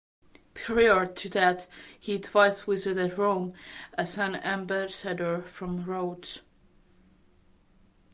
Prior to that, he twice visited Rome as an ambassador from Rhodes.